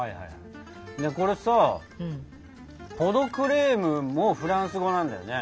これさポ・ド・クレームもフランス語なんだよね？